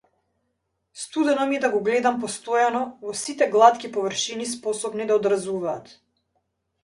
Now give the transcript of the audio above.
Судено ми е да го гледам постојано, во сите глатки површини способни да одразуваат.